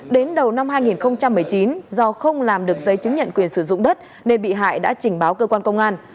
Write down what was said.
đến đầu năm hai nghìn một mươi chín do không làm được giấy chứng nhận quyền sử dụng đất nên bị hại đã trình báo cơ quan công an